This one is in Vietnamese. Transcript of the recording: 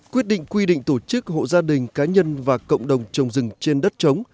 quyết định quy định tổ chức hộ gia đình cá nhân và cộng đồng trồng rừng trên đất trống